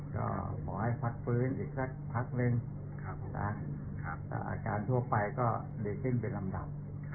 ก็ขอให้พักฟื้นอีกสักพักนึงแต่อาการทั่วไปก็ดีขึ้นเป็นลำดับ